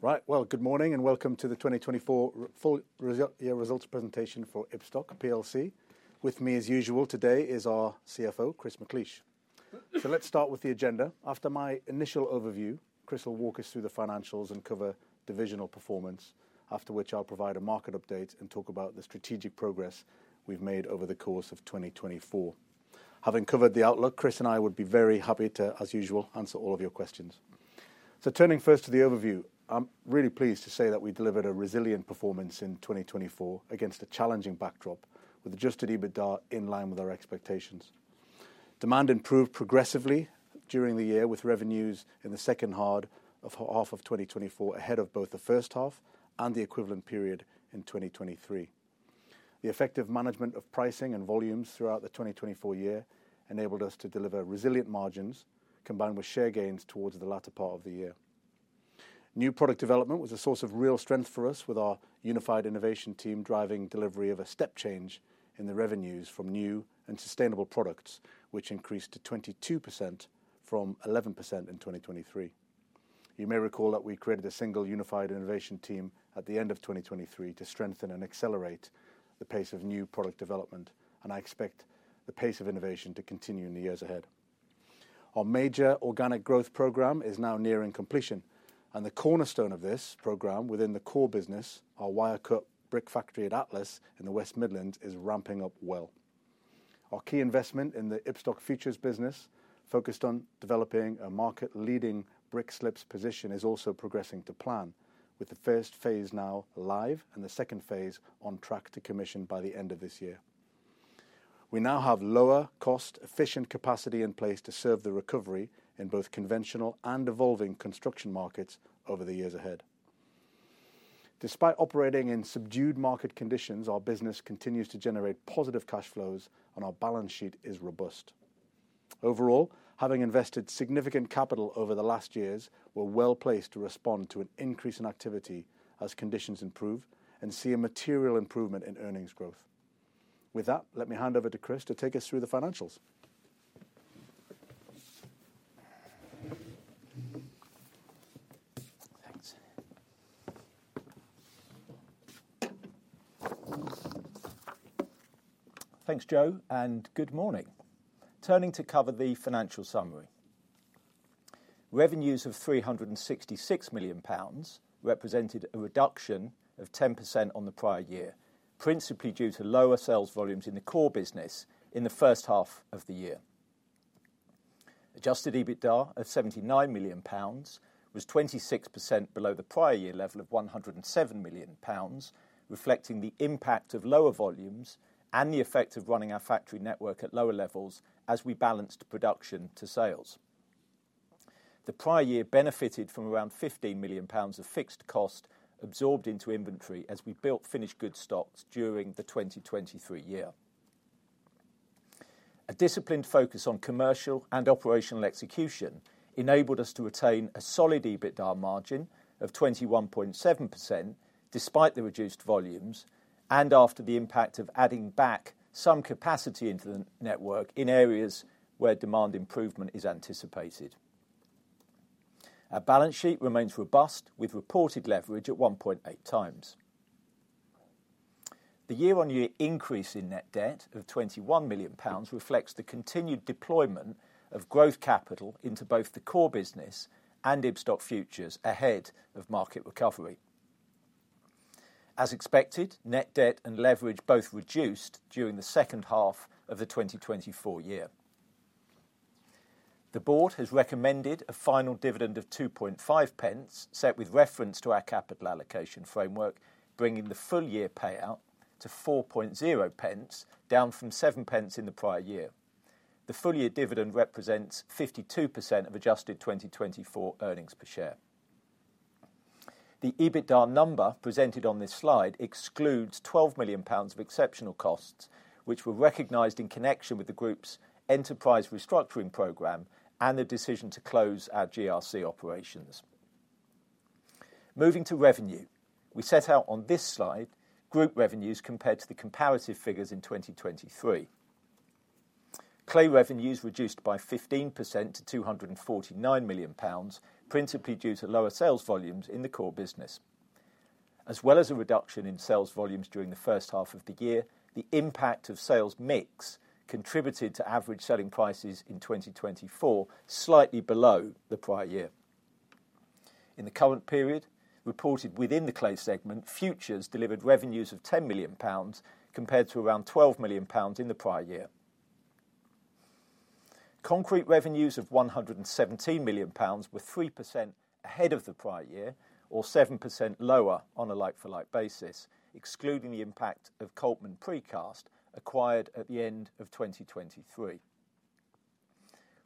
Right, good morning and welcome to the 2024 full-year results presentation for Ibstock Plc. With me, as usual, today is our CFO, Chris McLeish. Let's start with the agenda. After my initial overview, Chris will walk us through the financials and cover divisional performance, after which I'll provide a market update and talk about the strategic progress we've made over the course of 2024. Having covered the outlook, Chris and I would be very happy to, as usual, answer all of your questions. Turning first to the overview, I'm really pleased to say that we delivered a resilient performance in 2024 against a challenging backdrop, with adjusted EBITDA in line with our expectations. Demand improved progressively during the year, with revenues in the second half of 2024 ahead of both the first half and the equivalent period in 2023. The effective management of pricing and volumes throughout the 2024 year enabled us to deliver resilient margins combined with share gains towards the latter part of the year. New product development was a source of real strength for us, with our unified innovation team driving delivery of a step change in the revenues from new and sustainable products, which increased to 22% from 11% in 2023. You may recall that we created a single unified innovation team at the end of 2023 to strengthen and accelerate the pace of new product development, and I expect the pace of innovation to continue in the years ahead. Our major organic growth program is now nearing completion, and the cornerstone of this program within the core business, our wire-cut brick factory at Atlas in the West Midlands, is ramping up well. Our key investment in the Ibstock Futures business, focused on developing a market-leading brick slips position, is also progressing to plan, with the first phase now live and the second phase on track to commission by the end of this year. We now have lower-cost, efficient capacity in place to serve the recovery in both conventional and evolving construction markets over the years ahead. Despite operating in subdued market conditions, our business continues to generate positive cash flows, and our balance sheet is robust. Overall, having invested significant capital over the last years, we're well placed to respond to an increase in activity as conditions improve and see a material improvement in earnings growth. With that, let me hand over to Chris to take us through the financials. Thanks. Thanks, Joe, and good morning. Turning to cover the financial summary. Revenues of 366 million pounds represented a reduction of 10% on the prior year, principally due to lower sales volumes in the core business in the first half of the year. Adjusted EBITDA of GBP 79 million was 26% below the prior year level of GBP 107 million, reflecting the impact of lower volumes and the effect of running our factory network at lower levels as we balanced production to sales. The prior year benefited from around 15 million pounds of fixed cost absorbed into inventory as we built finished goods stocks during the 2023 year. A disciplined focus on commercial and operational execution enabled us to retain a solid EBITDA margin of 21.7% despite the reduced volumes and after the impact of adding back some capacity into the network in areas where demand improvement is anticipated. Our balance sheet remains robust, with reported leverage at 1.8 times. The year-on-year increase in net debt of 21 million pounds reflects the continued deployment of growth capital into both the core business and Ibstock Futures ahead of market recovery. As expected, net debt and leverage both reduced during the second half of the 2024 year. The board has recommended a final dividend of 0.025, set with reference to our capital allocation framework, bringing the full-year payout to 0.04, down from 0.07 in the prior year. The full-year dividend represents 52% of adjusted 2024 earnings per share. The EBITDA number presented on this slide excludes 12 million pounds of exceptional costs, which were recognized in connection with the group's enterprise restructuring program and the decision to close our GRC operations. Moving to revenue, we set out on this slide group revenues compared to the comparative figures in 2023. Clay revenues reduced by 15% to 249 million pounds, principally due to lower sales volumes in the core business. As well as a reduction in sales volumes during the first half of the year, the impact of sales mix contributed to average selling prices in 2024 slightly below the prior year. In the current period, reported within the clay segment, futures delivered revenues of 10 million pounds compared to around 12 million pounds in the prior year. Concrete revenues of 117 million pounds were 3% ahead of the prior year, or 7% lower on a like-for-like basis, excluding the impact of Coltman Precast acquired at the end of 2023.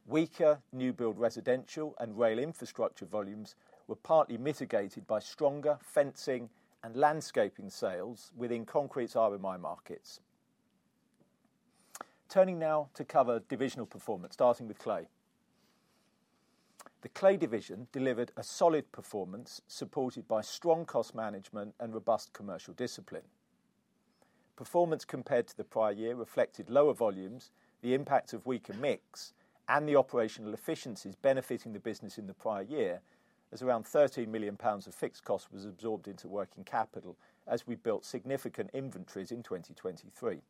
Weaker new-build residential and rail infrastructure volumes were partly mitigated by stronger fencing and landscaping sales within concrete's RMI markets. Turning now to cover divisional performance, starting with clay. The clay division delivered a solid performance supported by strong cost management and robust commercial discipline. Performance compared to the prior year reflected lower volumes, the impact of weaker mix, and the operational efficiencies benefiting the business in the prior year as around 13 million pounds of fixed cost was absorbed into working capital as we built significant inventories in 2023.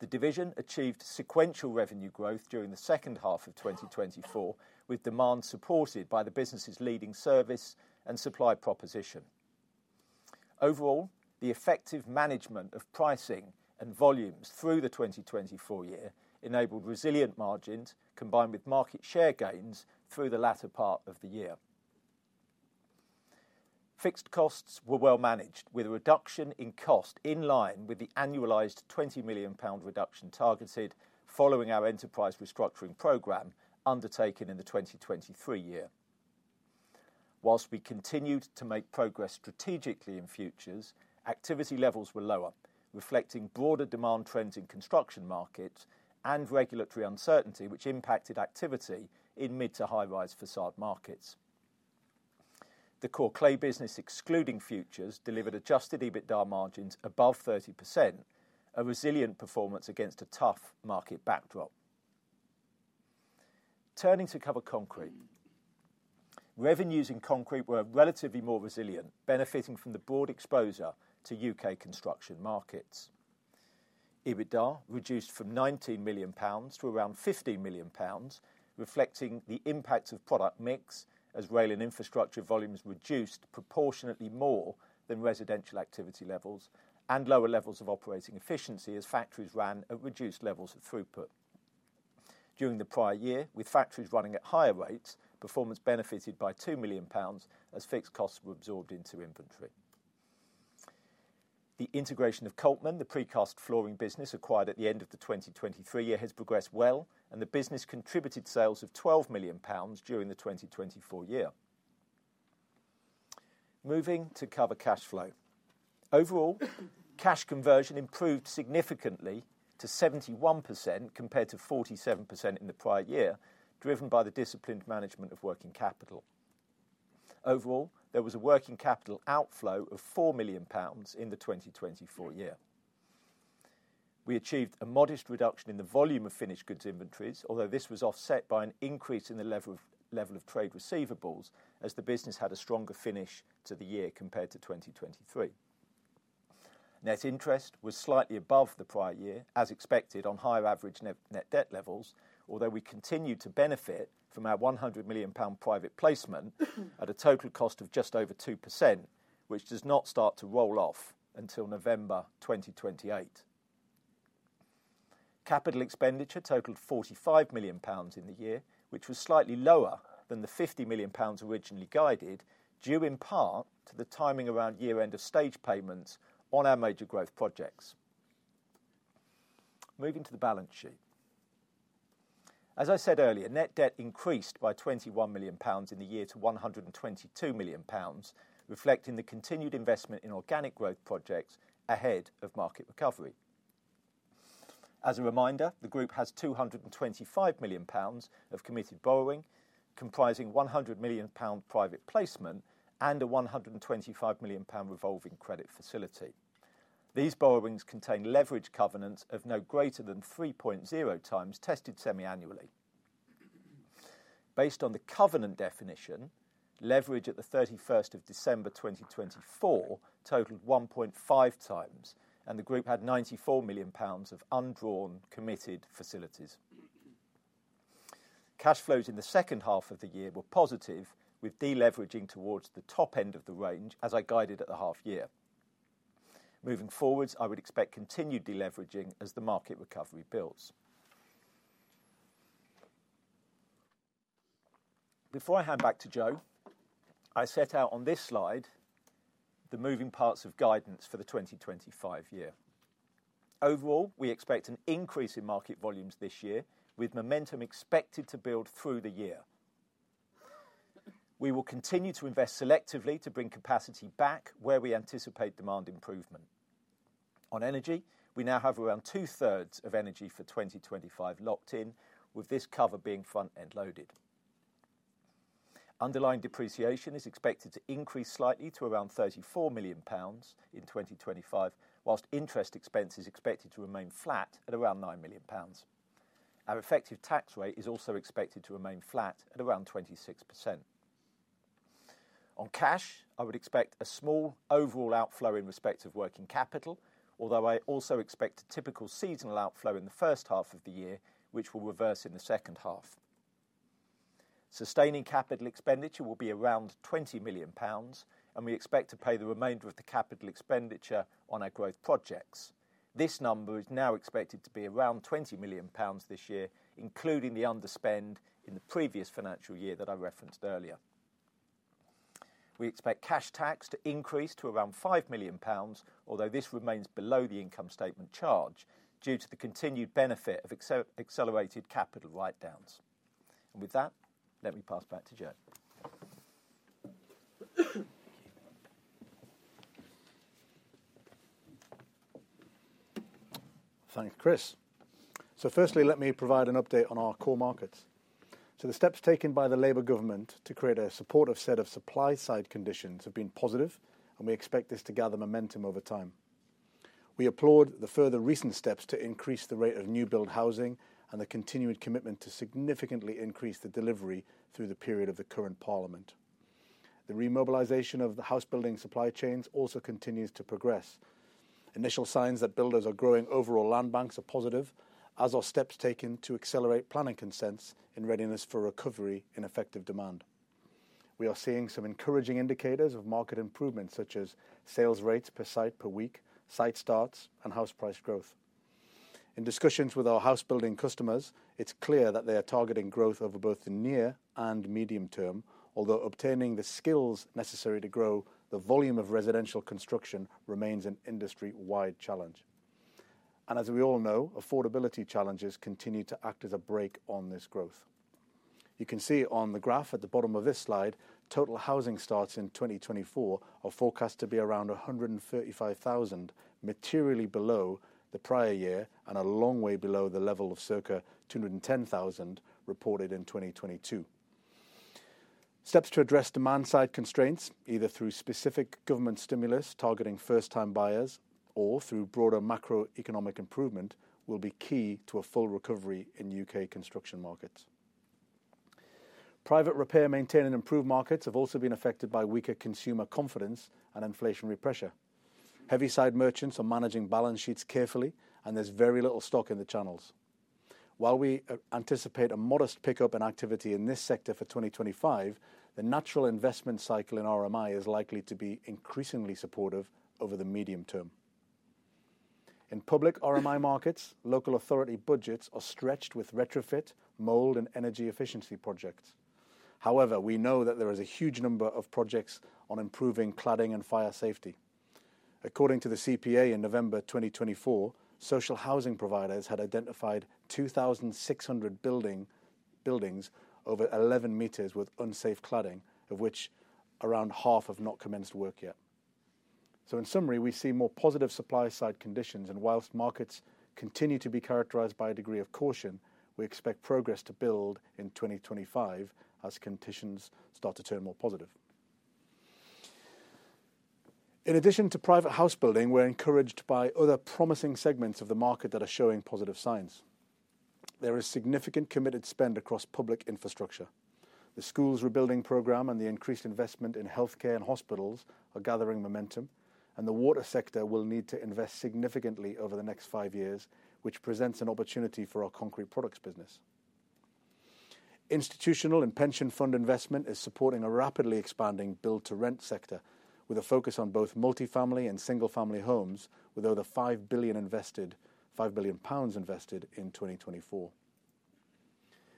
The division achieved sequential revenue growth during the second half of 2024, with demand supported by the business's leading service and supply proposition. Overall, the effective management of pricing and volumes through the 2024 year enabled resilient margins combined with market share gains through the latter part of the year. Fixed costs were well managed, with a reduction in cost in line with the annualized 20 million pound reduction targeted following our enterprise restructuring program undertaken in the 2023 year. Whilst we continued to make progress strategically in futures, activity levels were lower, reflecting broader demand trends in construction markets and regulatory uncertainty, which impacted activity in mid to high-rise facade markets. The core clay business, excluding futures, delivered adjusted EBITDA margins above 30%, a resilient performance against a tough market backdrop. Turning to concrete, revenues in concrete were relatively more resilient, benefiting from the broad exposure to U.K. construction markets. EBITDA reduced from 19 million pounds to around 15 million pounds, reflecting the impact of product mix as rail and infrastructure volumes reduced proportionately more than residential activity levels and lower levels of operating efficiency as factories ran at reduced levels of throughput. During the prior year, with factories running at higher rates, performance benefited by 2 million pounds as fixed costs were absorbed into inventory. The integration of Coltman, the precast flooring business acquired at the end of the 2023 year, has progressed well, and the business contributed sales of 12 million pounds during the 2024 year. Moving to cover cash flow. Overall, cash conversion improved significantly to 71% compared to 47% in the prior year, driven by the disciplined management of working capital. Overall, there was a working capital outflow of 4 million pounds in the 2024 year. We achieved a modest reduction in the volume of finished goods inventories, although this was offset by an increase in the level of trade receivables as the business had a stronger finish to the year compared to 2023. Net interest was slightly above the prior year, as expected on higher average net debt levels, although we continued to benefit from our 100 million pound private placement at a total cost of just over 2%, which does not start to roll off until November 2028. Capital expenditure totaled 45 million pounds in the year, which was slightly lower than the 50 million pounds originally guided, due in part to the timing around year-end of stage payments on our major growth projects. Moving to the balance sheet. As I said earlier, net debt increased by GBP 21 million in the year to GBP 122 million, reflecting the continued investment in organic growth projects ahead of market recovery. As a reminder, the group has 225 million pounds of committed borrowing, comprising 100 million pound private placement and a 125 million pound revolving credit facility. These borrowings contain leverage covenants of no greater than 3.0 times tested semi-annually. Based on the covenant definition, leverage at the 31st of December 2024 totaled 1.5 times, and the group had 94 million pounds of undrawn committed facilities. Cash flows in the second half of the year were positive, with deleveraging towards the top end of the range as I guided at the half-year. Moving forwards, I would expect continued deleveraging as the market recovery builds. Before I hand back to Joe, I set out on this slide the moving parts of guidance for the 2025 year. Overall, we expect an increase in market volumes this year, with momentum expected to build through the year. We will continue to invest selectively to bring capacity back where we anticipate demand improvement. On energy, we now have around two-thirds of energy for 2025 locked in, with this cover being front-end loaded. Underlying depreciation is expected to increase slightly to around 34 million pounds in 2025, whilst interest expense is expected to remain flat at around 9 million pounds. Our effective tax rate is also expected to remain flat at around 26%. On cash, I would expect a small overall outflow in respect of working capital, although I also expect a typical seasonal outflow in the first half of the year, which will reverse in the second half. Sustaining capital expenditure will be around 20 million pounds, and we expect to pay the remainder of the capital expenditure on our growth projects. This number is now expected to be around 20 million pounds this year, including the underspend in the previous financial year that I referenced earlier. We expect cash tax to increase to around 5 million pounds, although this remains below the income statement charge due to the continued benefit of accelerated capital write-downs. With that, let me pass back to Joe. Thanks, Chris. First, let me provide an update on our core markets. The steps taken by the Labour government to create a supportive set of supply-side conditions have been positive, and we expect this to gather momentum over time. We applaud the further recent steps to increase the rate of new-build housing and the continued commitment to significantly increase the delivery through the period of the current Parliament. The remobilization of the house-building supply chains also continues to progress. Initial signs that builders are growing overall land banks are positive, as are steps taken to accelerate planning consents in readiness for recovery in effective demand. We are seeing some encouraging indicators of market improvement, such as sales rates per site per week, site starts, and house price growth. In discussions with our house-building customers, it's clear that they are targeting growth over both the near and medium term, although obtaining the skills necessary to grow the volume of residential construction remains an industry-wide challenge. As we all know, affordability challenges continue to act as a brake on this growth. You can see on the graph at the bottom of this slide, total housing starts in 2024 are forecast to be around 135,000, materially below the prior year and a long way below the level of circa 210,000 reported in 2022. Steps to address demand-side constraints, either through specific government stimulus targeting first-time buyers or through broader macroeconomic improvement, will be key to a full recovery in U.K. construction markets. Private repair, maintain, and improve markets have also been affected by weaker consumer confidence and inflationary pressure. Heavy-side merchants are managing balance sheets carefully, and there's very little stock in the channels. While we anticipate a modest pickup in activity in this sector for 2025, the natural investment cycle in RMI is likely to be increasingly supportive over the medium term. In public RMI markets, local authority budgets are stretched with retrofit, mold, and energy efficiency projects. However, we know that there is a huge number of projects on improving cladding and fire safety. According to the CPA in November 2024, social housing providers had identified 2,600 buildings over 11 meters with unsafe cladding, of which around half have not commenced work yet. In summary, we see more positive supply-side conditions, and whilst markets continue to be characterized by a degree of caution, we expect progress to build in 2025 as conditions start to turn more positive. In addition to private house building, we're encouraged by other promising segments of the market that are showing positive signs. There is significant committed spend across public infrastructure. The schools rebuilding programme and the increased investment in healthcare and hospitals are gathering momentum, and the water sector will need to invest significantly over the next five years, which presents an opportunity for our concrete products business. Institutional and pension fund investment is supporting a rapidly expanding build-to-rent sector with a focus on both multi-family and single-family homes, with over 5 billion invested in 2024.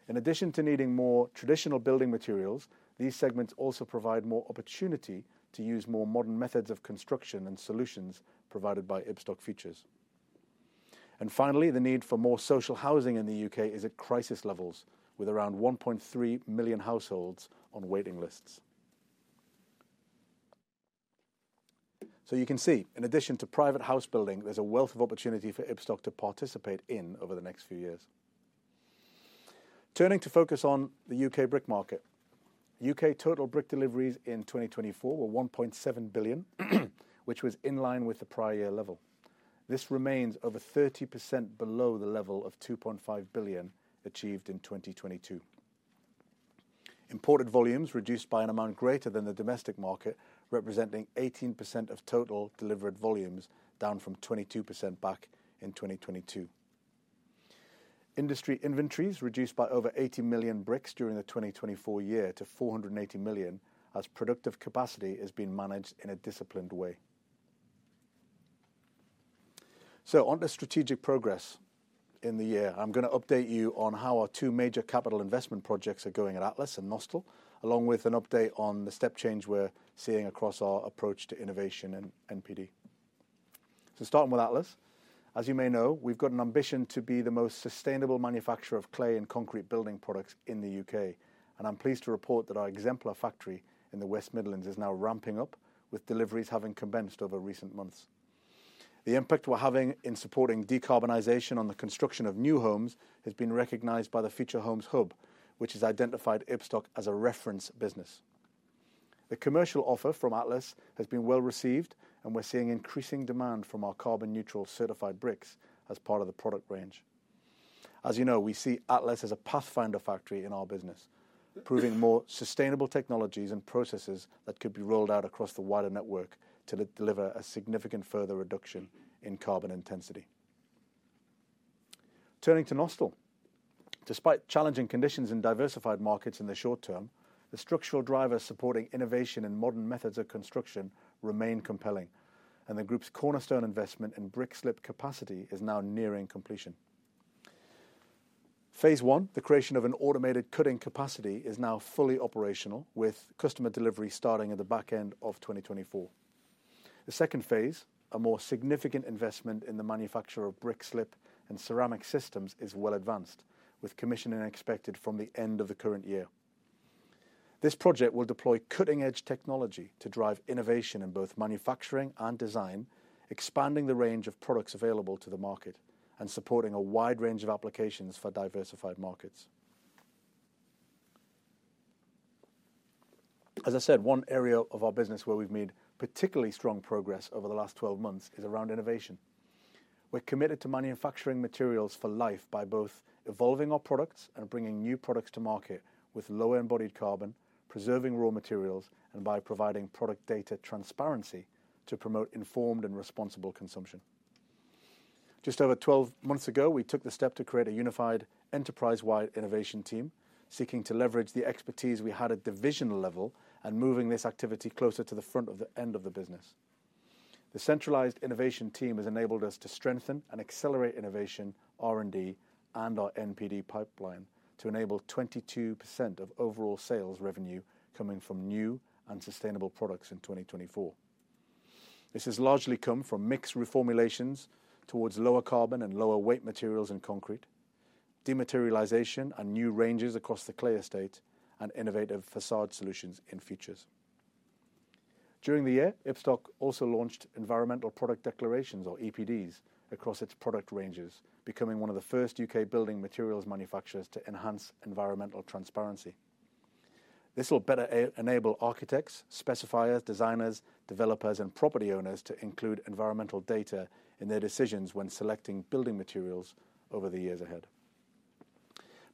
In addition to needing more traditional building materials, these segments also provide more opportunity to use more modern methods of construction and solutions provided by Ibstock Futures. Finally, the need for more social housing in the U.K. is at crisis levels, with around 1.3 million households on waiting lists. You can see, in addition to private house building, there is a wealth of opportunity for Ibstock to participate in over the next few years. Turning to focus on the U.K. brick market, U.K. total brick deliveries in 2024 were 1.7 billion, which was in line with the prior year level. This remains over 30% below the level of 2.5 billion achieved in 2022. Imported volumes reduced by an amount greater than the domestic market, representing 18% of total delivered volumes, down from 22% back in 2022. Industry inventories reduced by over 80 million bricks during the 2024 year to 480 million as productive capacity has been managed in a disciplined way. On the strategic progress in the year, I'm going to update you on how our two major capital investment projects are going at Atlas and Nostell, along with an update on the step change we're seeing across our approach to innovation and NPD. Starting with Atlas, as you may know, we've got an ambition to be the most sustainable manufacturer of clay and concrete building products in the U.K., and I'm pleased to report that our exemplar factory in the West Midlands is now ramping up, with deliveries having commenced over recent months. The impact we're having in supporting decarbonization on the construction of new homes has been recognized by the Future Homes Hub, which has identified Ibstock as a reference business. The commercial offer from Atlas has been well received, and we're seeing increasing demand from our carbon-neutral certified bricks as part of the product range. As you know, we see Atlas as a pathfinder factory in our business, proving more sustainable technologies and processes that could be rolled out across the wider network to deliver a significant further reduction in carbon intensity. Turning to Nostell, despite challenging conditions in diversified markets in the short term, the structural drivers supporting innovation and modern methods of construction remain compelling, and the group's cornerstone investment in brick slip capacity is now nearing completion. Phase I, the creation of an automated cutting capacity, is now fully operational, with customer delivery starting at the back end of 2024. The second phase, a more significant investment in the manufacture of brick slip and ceramic systems, is well advanced, with commissioning expected from the end of the current year. This project will deploy cutting-edge technology to drive innovation in both manufacturing and design, expanding the range of products available to the market and supporting a wide range of applications for diversified markets. As I said, one area of our business where we've made particularly strong progress over the last 12 months is around innovation. We're committed to manufacturing materials for life by both evolving our products and bringing new products to market with lower embodied carbon, preserving raw materials, and by providing product data transparency to promote informed and responsible consumption. Just over 12 months ago, we took the step to create a unified enterprise-wide innovation team, seeking to leverage the expertise we had at division level and moving this activity closer to the front of the end of the business. The centralised innovation team has enabled us to strengthen and accelerate innovation, R&D, and our NPD pipeline to enable 22% of overall sales revenue coming from new and sustainable products in 2024. This has largely come from mixed reformulations towards lower carbon and lower weight materials in concrete, dematerialisation and new ranges across the clay estate, and innovative facade solutions in futures. During the year, Ibstock also launched Environmental Product Declarations, or EPDs, across its product ranges, becoming one of the first U.K. building materials manufacturers to enhance environmental transparency. This will better enable architects, specifiers, designers, developers, and property owners to include environmental data in their decisions when selecting building materials over the years ahead.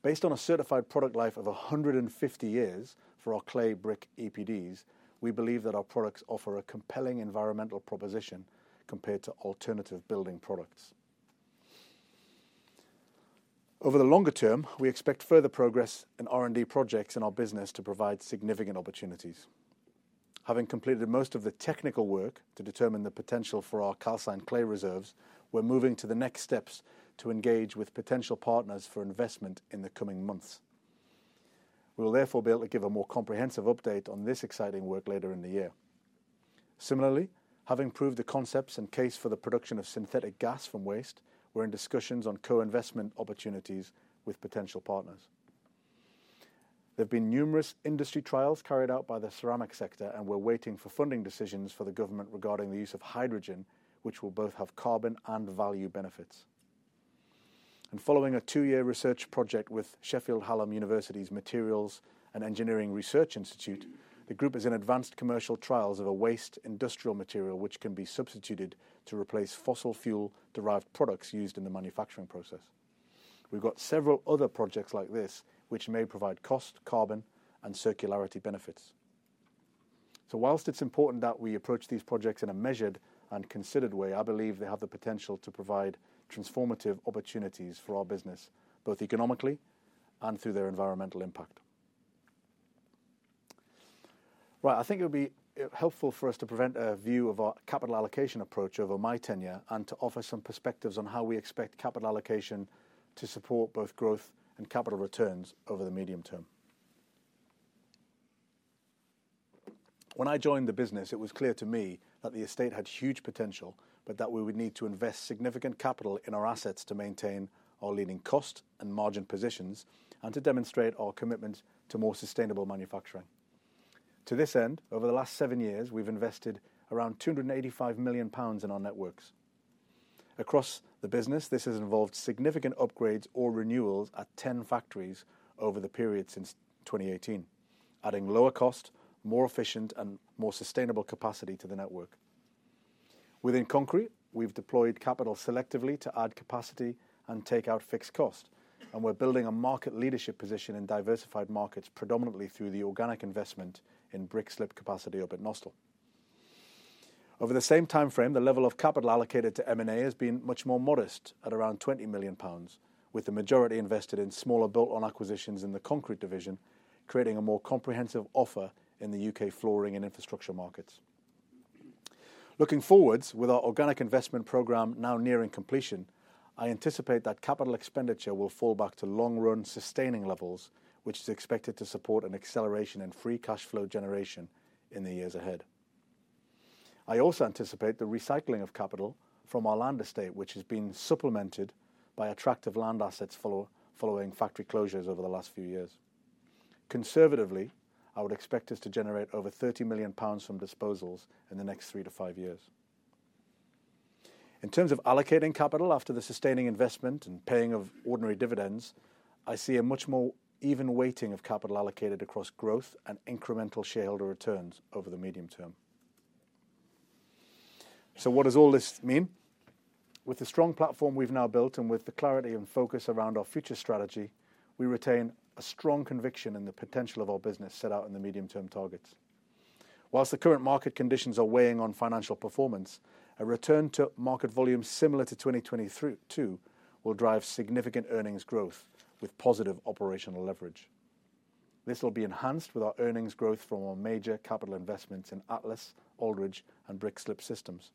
Based on a certified product life of 150 years for our clay brick EPDs, we believe that our products offer a compelling environmental proposition compared to alternative building products. Over the longer term, we expect further progress in R&D projects in our business to provide significant opportunities. Having completed most of the technical work to determine the potential for our calcined clay reserves, we're moving to the next steps to engage with potential partners for investment in the coming months. We will therefore be able to give a more comprehensive update on this exciting work later in the year. Similarly, having proved the concepts and case for the production of synthetic gas from waste, we're in discussions on co-investment opportunities with potential partners. There have been numerous industry trials carried out by the ceramic sector, and we're waiting for funding decisions from the government regarding the use of hydrogen, which will both have carbon and value benefits. Following a two-year research project with Sheffield Hallam University's Materials and Engineering Research Institute, the group is in advanced commercial trials of a waste industrial material which can be substituted to replace fossil fuel-derived products used in the manufacturing process. We've got several other projects like this, which may provide cost, carbon, and circularity benefits. Whilst it's important that we approach these projects in a measured and considered way, I believe they have the potential to provide transformative opportunities for our business, both economically and through their environmental impact. I think it would be helpful for us to present a view of our capital allocation approach over my tenure and to offer some perspectives on how we expect capital allocation to support both growth and capital returns over the medium term. When I joined the business, it was clear to me that the estate had huge potential, but that we would need to invest significant capital in our assets to maintain our leading cost and margin positions and to demonstrate our commitment to more sustainable manufacturing. To this end, over the last seven years, we've invested around 285 million pounds in our networks. Across the business, this has involved significant upgrades or renewals at 10 factories over the period since 2018, adding lower cost, more efficient, and more sustainable capacity to the network. Within concrete, we've deployed capital selectively to add capacity and take out fixed cost, and we're building a market leadership position in diversified markets, predominantly through the organic investment in brick slip capacity up at Nostell. Over the same timeframe, the level of capital allocated to M&A has been much more modest at around 20 million pounds, with the majority invested in smaller built-on acquisitions in the concrete division, creating a more comprehensive offer in the U.K. flooring and infrastructure markets. Looking forwards, with our organic investment programme now nearing completion, I anticipate that capital expenditure will fall back to long-run sustaining levels, which is expected to support an acceleration in free cash flow generation in the years ahead. I also anticipate the recycling of capital from our land estate, which has been supplemented by attractive land assets following factory closures over the last few years. Conservatively, I would expect us to generate over 30 million pounds from disposals in the next three to five years. In terms of allocating capital after the sustaining investment and paying of ordinary dividends, I see a much more even weighting of capital allocated across growth and incremental shareholder returns over the medium term. What does all this mean? With the strong platform we've now built and with the clarity and focus around our future strategy, we retain a strong conviction in the potential of our business set out in the medium-term targets. Whilst the current market conditions are weighing on financial performance, a return to market volume similar to 2022 will drive significant earnings growth with positive operational leverage. This will be enhanced with our earnings growth from our major capital investments in Atlas, Aldridge, and Brick Slip Systems.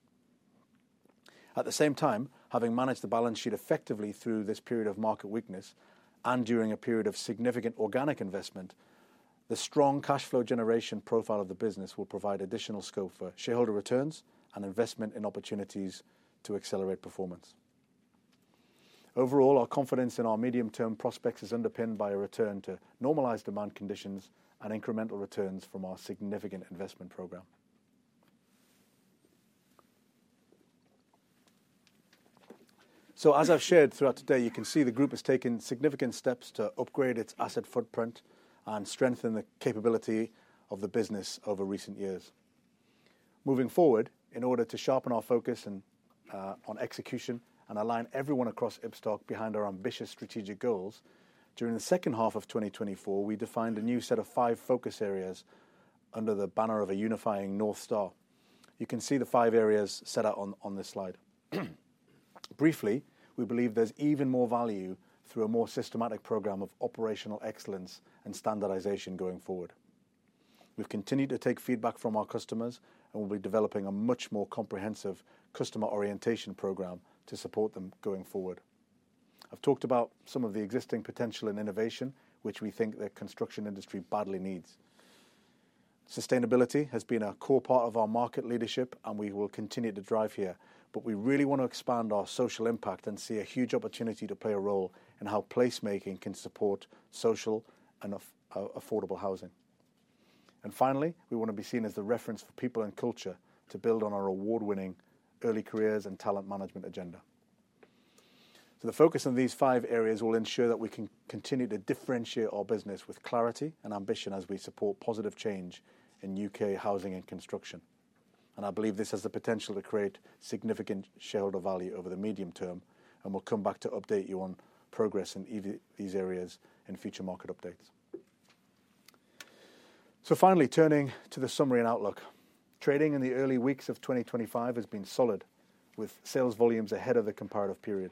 At the same time, having managed the balance sheet effectively through this period of market weakness and during a period of significant organic investment, the strong cash flow generation profile of the business will provide additional scope for shareholder returns and investment in opportunities to accelerate performance. Overall, our confidence in our medium-term prospects is underpinned by a return to normalised demand conditions and incremental returns from our significant investment programme. As I have shared throughout today, you can see the group has taken significant steps to upgrade its asset footprint and strengthen the capability of the business over recent years. Moving forward, in order to sharpen our focus on execution and align everyone across Ibstock behind our ambitious strategic goals, during the second half of 2024, we defined a new set of five focus areas under the banner of a unifying North Star. You can see the five areas set out on this slide. Briefly, we believe there's even more value through a more systematic program of operational excellence and standardization going forward. We've continued to take feedback from our customers, and we'll be developing a much more comprehensive customer orientation program to support them going forward. I've talked about some of the existing potential in innovation, which we think the construction industry badly needs. Sustainability has been a core part of our market leadership, and we will continue to drive here, but we really want to expand our social impact and see a huge opportunity to play a role in how placemaking can support social and affordable housing. Finally, we want to be seen as the reference for people and culture to build on our award-winning early careers and talent management agenda. The focus on these five areas will ensure that we can continue to differentiate our business with clarity and ambition as we support positive change in U.K. housing and construction. I believe this has the potential to create significant shareholder value over the medium term, and we will come back to update you on progress in these areas in future market updates. Finally, turning to the summary and outlook, trading in the early weeks of 2025 has been solid, with sales volumes ahead of the comparative period.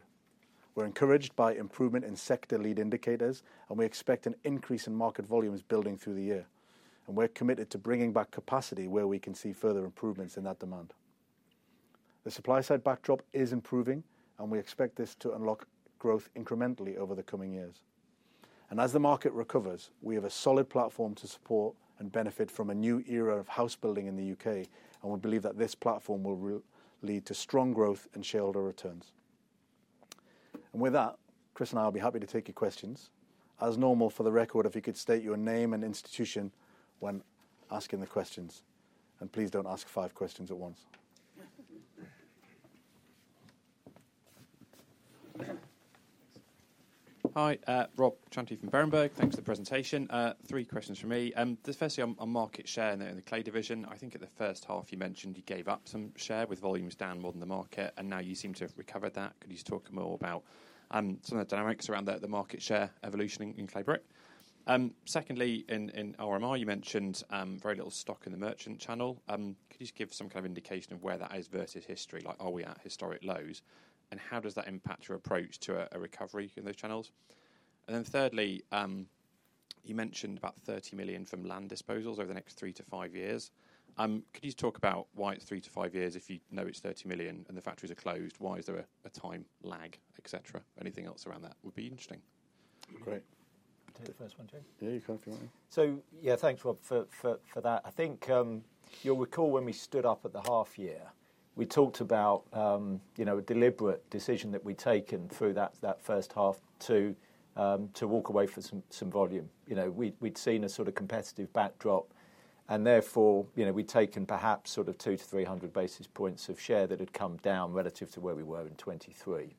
We are encouraged by improvement in sector lead indicators, and we expect an increase in market volumes building through the year. We are committed to bringing back capacity where we can see further improvements in that demand. The supply-side backdrop is improving, and we expect this to unlock growth incrementally over the coming years. As the market recovers, we have a solid platform to support and benefit from a new era of house building in the U.K., and we believe that this platform will lead to strong growth and shareholder returns. With that, Chris and I will be happy to take your questions. As normal, for the record, if you could state your name and institution when asking the questions. Please do not ask five questions at once. Hi, Rob Chantry from Berenberg. Thanks for the presentation. Three questions for me. Firstly, on market share in the clay division, I think at the first half you mentioned you gave up some share with volumes down more than the market, and now you seem to have recovered that. Could you just talk more about some of the dynamics around the market share evolution in clay brick? Secondly, in RMI, you mentioned very little stock in the merchant channel. Could you just give some kind of indication of where that is versus history, like are we at historic lows, and how does that impact your approach to a recovery in those channels? Thirdly, you mentioned about 30 million from land disposals over the next three to five years. Could you just talk about why it is three to five years if you know it is 30 million and the factories are closed? Why is there a time lag, etc.? Anything else around that would be interesting. Great. Take the first one too. Yeah, you can if you want. Thanks, Rob, for that. I think you will recall when we stood up at the half year, we talked about a deliberate decision that we had taken through that first half to walk away from some volume. We'd seen a sort of competitive backdrop, and therefore we'd taken perhaps sort of two to three hundred basis points of share that had come down relative to where we were in 2023.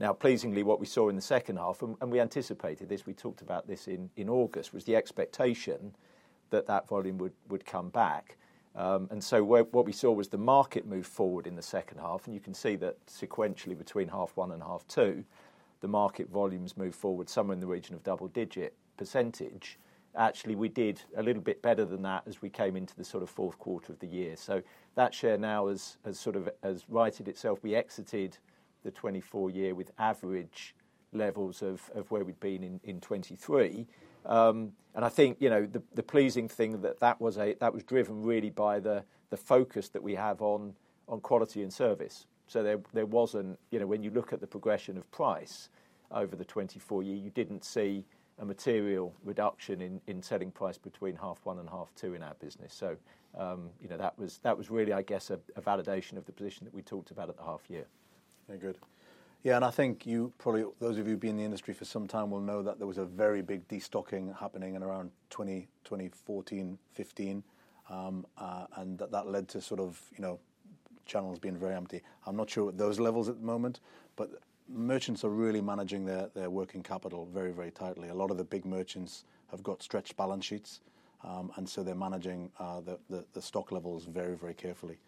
Now, pleasingly, what we saw in the second half, and we anticipated this, we talked about this in August, was the expectation that that volume would come back. What we saw was the market move forward in the second half, and you can see that sequentially between half one and half two, the market volumes moved forward somewhere in the region of double-digit percentage. Actually, we did a little bit better than that as we came into the sort of fourth quarter of the year. That share now has sort of rated itself. We exited the 2024 year with average levels of where we'd been in 2023. I think the pleasing thing that that was driven really by the focus that we have on quality and service. There wasn't, when you look at the progression of price over the 2024 year, you didn't see a material reduction in selling price between half one and half two in our business. That was really, I guess, a validation of the position that we talked about at the half year. Very good. Yeah, I think you probably, those of you who've been in the industry for some time will know that there was a very big destocking happening in around 2014, 2015, and that led to sort of channels being very empty. I'm not sure at those levels at the moment, but merchants are really managing their working capital very, very tightly. A lot of the big merchants have got stretched balance sheets, and so they're managing the stock levels very, very carefully.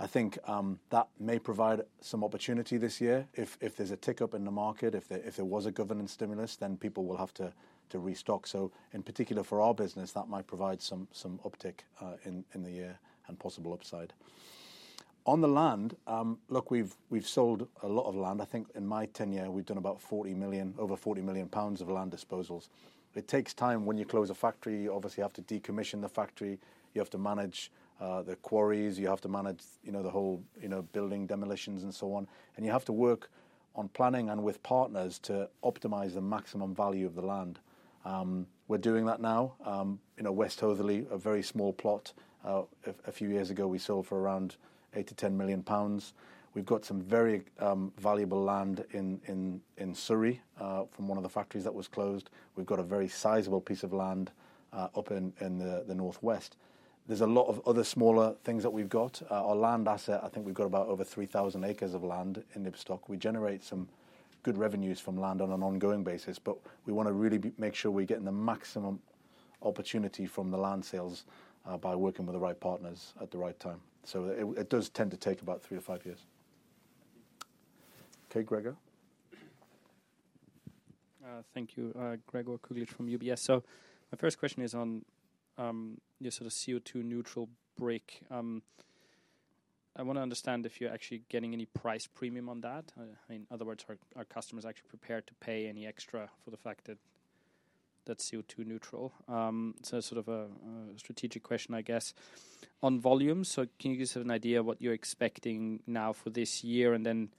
I think that may provide some opportunity this year. If there's a tick up in the market, if there was a government stimulus, then people will have to restock. In particular for our business, that might provide some uptick in the year and possible upside. On the land, look, we've sold a lot of land. I think in my tenure, we've done about over 40 million pounds of land disposals. It takes time when you close a factory. You obviously have to decommission the factory. You have to manage the quarries. You have to manage the whole building demolitions and so on. You have to work on planning and with partners to optimize the maximum value of the land. We're doing that now. West Hoathly, a very small plot. A few years ago, we sold for around 8 million-10 million pounds. We've got some very valuable land in Surrey from one of the factories that was closed. We've got a very sizable piece of land up in the northwest. There's a lot of other smaller things that we've got. Our land asset, I think we've got about over 3,000 acres of land in Ibstock. We generate some good revenues from land on an ongoing basis, but we want to really make sure we're getting the maximum opportunity from the land sales by working with the right partners at the right time. It does tend to take about three to five years. Okay, Gregor. Thank you. Gregor Kuglitsch from UBS. My first question is on your sort of CO2 neutral brick. I want to understand if you're actually getting any price premium on that. In other words, are customers actually prepared to pay any extra for the fact that that's CO2 neutral? Sort of a strategic question, I guess. On volume, can you give us an idea of what you're expecting now for this year and then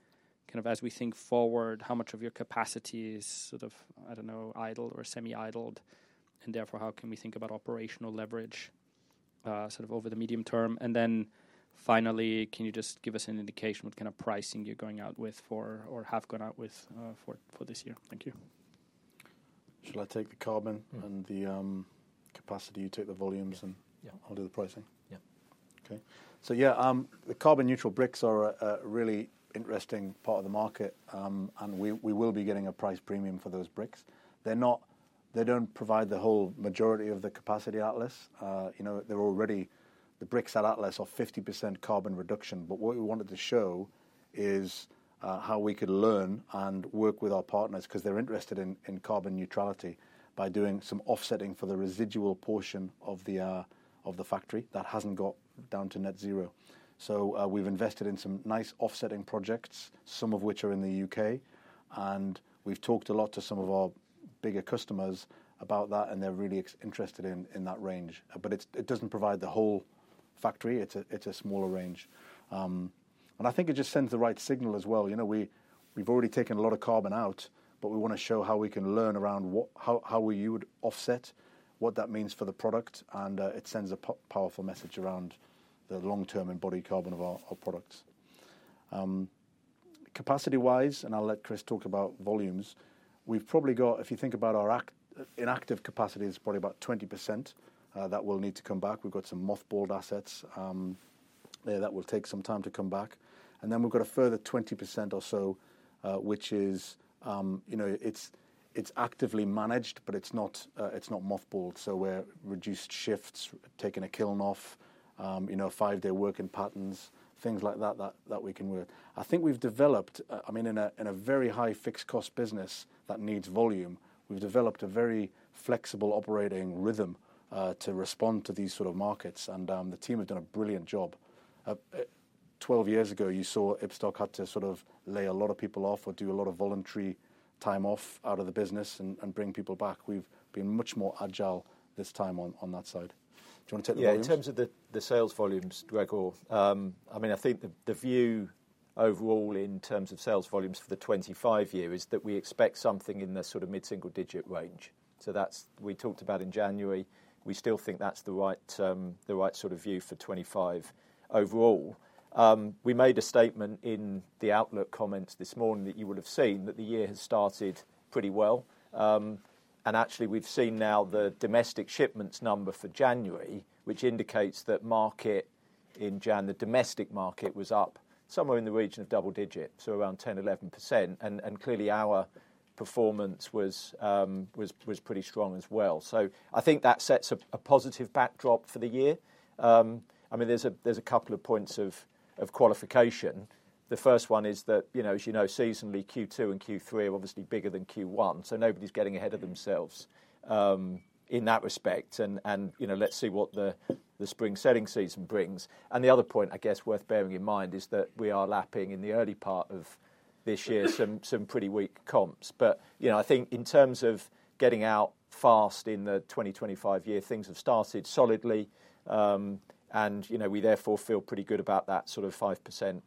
kind of as we think forward, how much of your capacity is sort of, I don't know, idle or semi-idled? Therefore, how can we think about operational leverage over the medium term? Finally, can you just give us an indication of what kind of pricing you're going out with for or have gone out with for this year? Thank you. Shall I take the carbon and the capacity? You take the volumes and I'll do the pricing. Yeah. Okay. Yeah, the carbon-neutral bricks are a really interesting part of the market, and we will be getting a price premium for those bricks. They do not provide the whole majority of the capacity at Atlas. The bricks at Atlas are 50% carbon reduction, but what we wanted to show is how we could learn and work with our partners because they are interested in carbon neutrality by doing some offsetting for the residual portion of the factory that has not got down to net zero. We have invested in some nice offsetting projects, some of which are in the U.K., and we have talked a lot to some of our bigger customers about that, and they are really interested in that range. It does not provide the whole factory. It is a smaller range. I think it just sends the right signal as well. We've already taken a lot of carbon out, but we want to show how we can learn around how you would offset, what that means for the product, and it sends a powerful message around the long-term embodied carbon of our products. Capacity-wise, and I'll let Chris talk about volumes, we've probably got, if you think about our inactive capacity, it's probably about 20% that will need to come back. We've got some mothballed assets that will take some time to come back. We have a further 20% or so, which is actively managed, but it's not mothballed. We are on reduced shifts, taking a kiln off, five-day working patterns, things like that that we can work. I think we've developed, I mean, in a very high fixed-cost business that needs volume, we've developed a very flexible operating rhythm to respond to these sort of markets, and the team has done a brilliant job. Twelve years ago, you saw Ibstock had to sort of lay a lot of people off or do a lot of voluntary time off out of the business and bring people back. We've been much more agile this time on that side. Do you want to take the volumes? Yeah, in terms of the sales volumes, Gregor, I mean, I think the view overall in terms of sales volumes for the 2025 year is that we expect something in the sort of mid-single-digit range. That is what we talked about in January. We still think that's the right sort of view for 2025 overall. We made a statement in the outlook comments this morning that you will have seen that the year has started pretty well. Actually, we've seen now the domestic shipments number for January, which indicates that market in January, the domestic market was up somewhere in the region of double-digits, so around 10%-11%. Clearly, our performance was pretty strong as well. I think that sets a positive backdrop for the year. I mean, there's a couple of points of qualification. The first one is that, as you know, seasonally, Q2 and Q3 are obviously bigger than Q1, so nobody's getting ahead of themselves in that respect, and let's see what the spring selling season brings. The other point, I guess, worth bearing in mind is that we are lapping in the early part of this year some pretty weak comps. I think in terms of getting out fast in the 2025 year, things have started solidly, and we therefore feel pretty good about that sort of 5%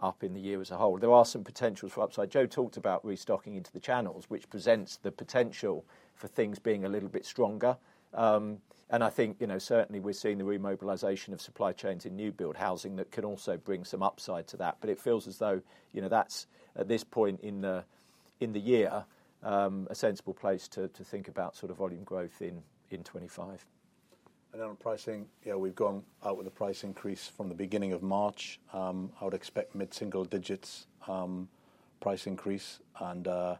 up in the year as a whole. There are some potentials for upside. Joe talked about restocking into the channels, which presents the potential for things being a little bit stronger. I think certainly we're seeing the remobilisation of supply chains in new-build housing that can also bring some upside to that. It feels as though that's, at this point in the year, a sensible place to think about sort of volume growth in 2025. On pricing, yeah, we've gone out with a price increase from the beginning of March. I would expect mid-single-digits price increase. Our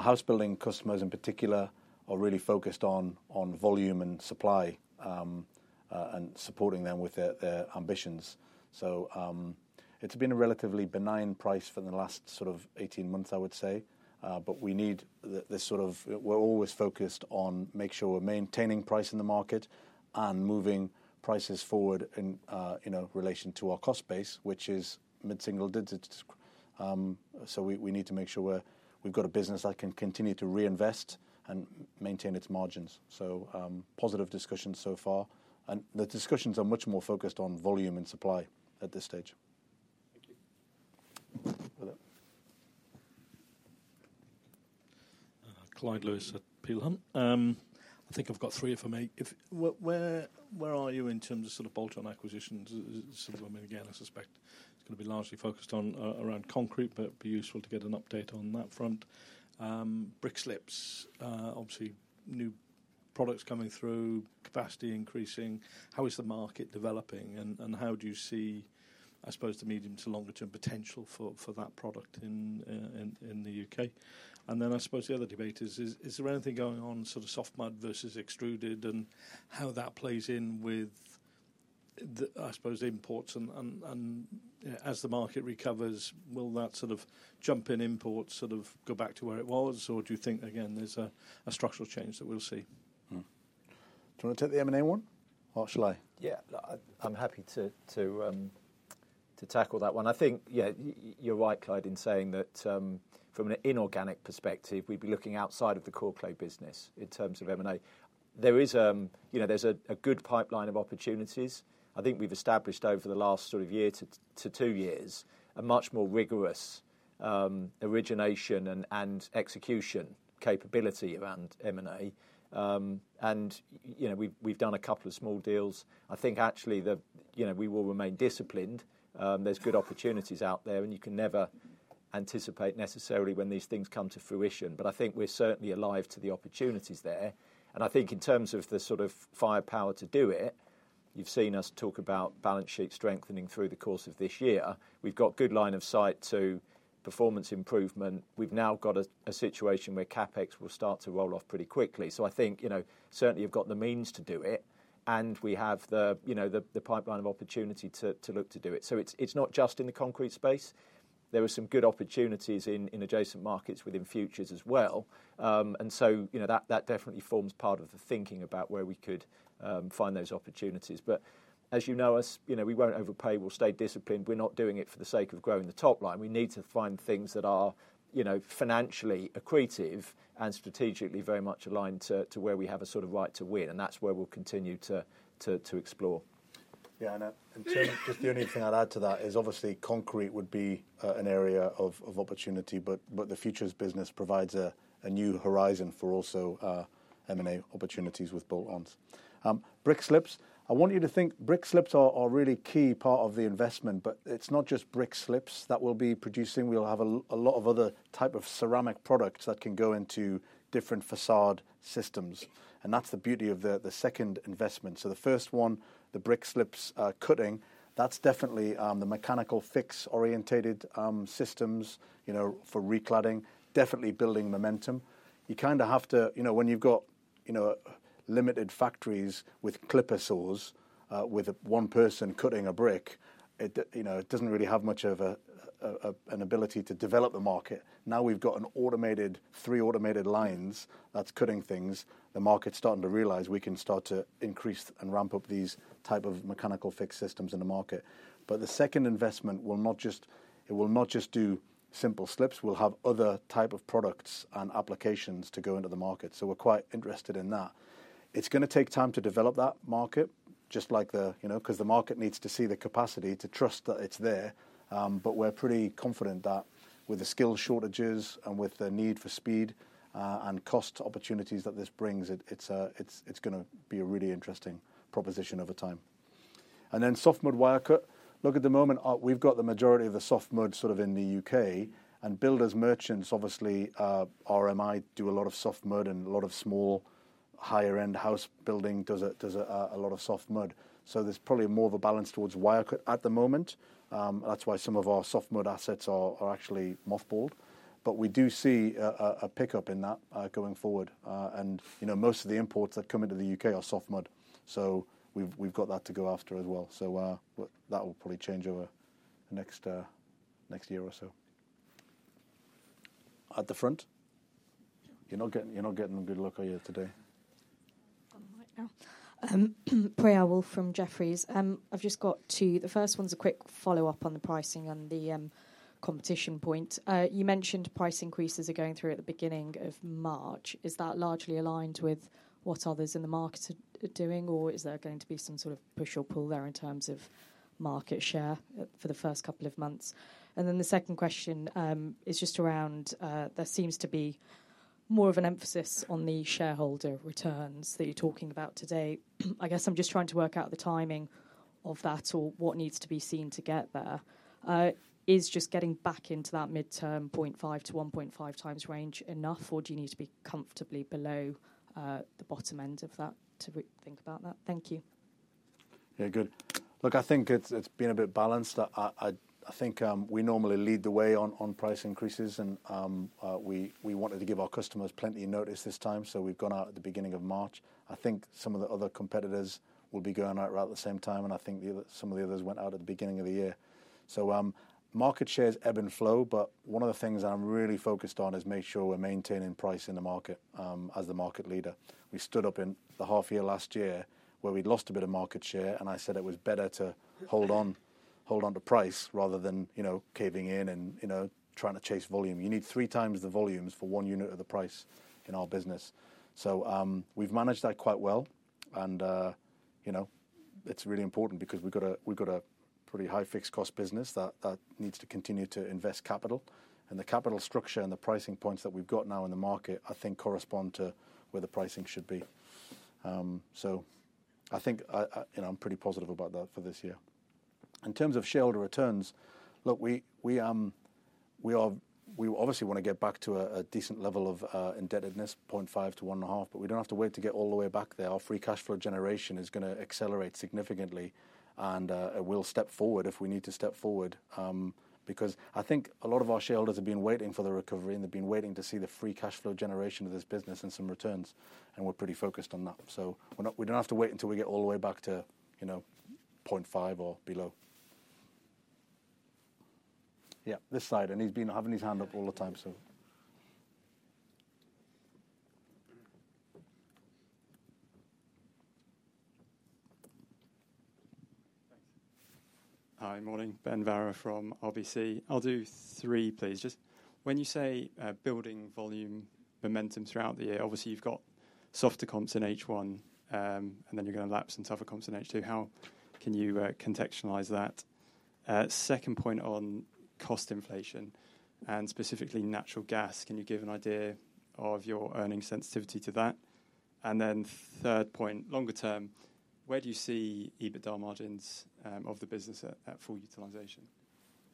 house building customers, in particular, are really focused on volume and supply and supporting them with their ambitions. It's been a relatively benign price for the last sort of 18 months, I would say. We need this sort of, we're always focused on making sure we're maintaining price in the market and moving prices forward in relation to our cost base, which is mid-single digits. We need to make sure we've got a business that can continue to reinvest and maintain its margins. Positive discussions so far. The discussions are much more focused on volume and supply at this stage. Thank you. Hello. Clyde Lewis at Peel Hunt. I think I've got three if I may. Where are you in terms of sort of bolt-on acquisitions? I mean, again, I suspect it's going to be largely focused on around concrete, but it'd be useful to get an update on that front. Brick slips, obviously new products coming through, capacity increasing. How is the market developing and how do you see, I suppose, the medium to longer-term potential for that product in the U.K.? I suppose the other debate is, is there anything going on, sort of soft mud versus extruded, and how that plays in with, I suppose, imports? As the market recovers, will that sort of jump in imports sort of go back to where it was, or do you think, again, there's a structural change that we'll see? Do you want to take the M&A one or shall I? Yeah, I'm happy to tackle that one. I think, yeah, you're right, Clyde, in saying that from an inorganic perspective, we'd be looking outside of the core clay business in terms of M&A. There's a good pipeline of opportunities. I think we've established over the last sort of year to two years a much more rigorous origination and execution capability around M&A. We've done a couple of small deals. I think actually we will remain disciplined. There's good opportunities out there, and you can never anticipate necessarily when these things come to fruition. I think we're certainly alive to the opportunities there. I think in terms of the sort of firepower to do it, you've seen us talk about balance sheet strengthening through the course of this year. We've got good line of sight to performance improvement. We've now got a situation where CapEx will start to roll off pretty quickly. I think certainly you've got the means to do it, and we have the pipeline of opportunity to look to do it. It's not just in the concrete space. There were some good opportunities in adjacent markets within futures as well. That definitely forms part of the thinking about where we could find those opportunities. As you know us, we will not overpay. We will stay disciplined. We are not doing it for the sake of growing the top line. We need to find things that are financially accretive and strategically very much aligned to where we have a sort of right to win. That is where we will continue to explore. Yeah, and just the only thing I would add to that is obviously concrete would be an area of opportunity, but the futures business provides a new horizon for also M&A opportunities with bolt-ons. Brick slips, I want you to think brick slips are a really key part of the investment, but it is not just brick slips that we will be producing. We'll have a lot of other types of ceramic products that can go into different facade systems. That's the beauty of the second investment. The first one, the brick slips cutting, that's definitely the mechanical fix-orientated systems for recladding, definitely building momentum. You kind of have to, when you've got limited factories with clipper saws, with one person cutting a brick, it doesn't really have much of an ability to develop the market. Now we've got three automated lines that's cutting things. The market's starting to realize we can start to increase and ramp up these types of mechanical fix systems in the market. The second investment will not just do simple slips. We'll have other types of products and applications to go into the market. We're quite interested in that. It's going to take time to develop that market, just like the, because the market needs to see the capacity to trust that it's there. We're pretty confident that with the skill shortages and with the need for speed and cost opportunities that this brings, it's going to be a really interesting proposition over time. Soft mud wire cut. At the moment, we've got the majority of the soft mud sort of in the U.K.. Builders, merchants, obviously, RMI do a lot of soft mud and a lot of small higher-end house building does a lot of soft mud. There's probably more of a balance towards wire cut at the moment. That's why some of our soft mud assets are actually mothballed. We do see a pickup in that going forward. Most of the imports that come into the U.K. are soft mud. We have that to go after as well. That will probably change over the next year or so. At the front? You are not getting a good look here today. Priyal Woolf from Jefferies. I have just got two. The first one is a quick follow-up on the pricing and the competition point. You mentioned price increases are going through at the beginning of March. Is that largely aligned with what others in the market are doing, or is there going to be some sort of push or pull there in terms of market share for the first couple of months? The second question is just around there seems to be more of an emphasis on the shareholder returns that you are talking about today. I guess I'm just trying to work out the timing of that or what needs to be seen to get there. Is just getting back into that midterm 0.5-1.5 times range enough, or do you need to be comfortably below the bottom end of that to think about that? Thank you. Yeah, good. Look, I think it's been a bit balanced. I think we normally lead the way on price increases, and we wanted to give our customers plenty of notice this time. We have gone out at the beginning of March. I think some of the other competitors will be going out right at the same time, and I think some of the others went out at the beginning of the year. Market share's ebb and flow, but one of the things I'm really focused on is make sure we're maintaining price in the market as the market leader. We stood up in the half year last year where we lost a bit of market share, and I said it was better to hold on to price rather than caving in and trying to chase volume. You need three times the volumes for one unit of the price in our business. We've managed that quite well. It's really important because we've got a pretty high fixed-cost business that needs to continue to invest capital. The capital structure and the pricing points that we've got now in the market, I think, correspond to where the pricing should be. I think I'm pretty positive about that for this year. In terms of shareholder returns, look, we obviously want to get back to a decent level of indebtedness, 0.5-1.5, but we do not have to wait to get all the way back there. Our free cash flow generation is going to accelerate significantly, and it will step forward if we need to step forward. I think a lot of our shareholders have been waiting for the recovery, and they have been waiting to see the free cash flow generation of this business and some returns. We are pretty focused on that. We do not have to wait until we get all the way back to 0.5 or below. Yeah, this side. He has been having his hand up all the time, so. Hi, morning. Ben Vara from RBC. I will do three, please. Just when you say building volume momentum throughout the year, obviously you have got softer comps in H1, and then you are going to lapse in tougher comps in H2. How can you contextualize that? Second point on cost inflation and specifically natural gas, can you give an idea of your earning sensitivity to that? Third point, longer term, where do you see EBITDA margins of the business at full utilization?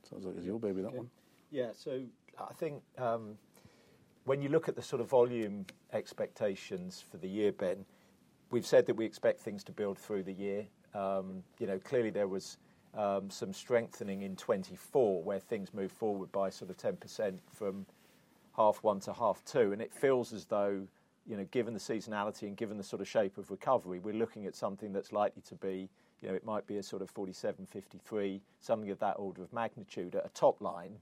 Sounds like it is your baby, that one. Yeah, I think when you look at the sort of volume expectations for the year, Ben, we have said that we expect things to build through the year. Clearly, there was some strengthening in 2024 where things moved forward by sort of 10% from half one to half two. It feels as though, given the seasonality and given the sort of shape of recovery, we're looking at something that's likely to be, it might be a sort of 47-53, something of that order of magnitude at a top line.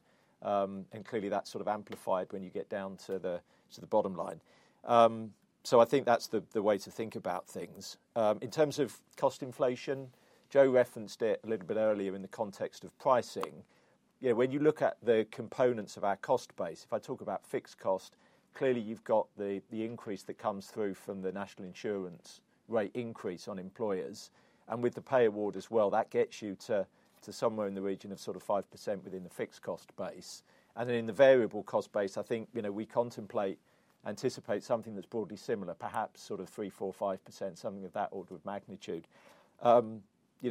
Clearly, that's sort of amplified when you get down to the bottom line. I think that's the way to think about things. In terms of cost inflation, Joe referenced it a little bit earlier in the context of pricing. When you look at the components of our cost base, if I talk about fixed cost, clearly you've got the increase that comes through from the national insurance rate increase on employers. With the pay award as well, that gets you to somewhere in the region of sort of 5% within the fixed cost base. In the variable cost base, I think we contemplate, anticipate something that's broadly similar, perhaps sort of 3%-5%, something of that order of magnitude.